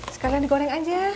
sekarang digoreng aja